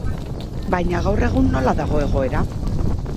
Baina gaur egun nola dago egoera?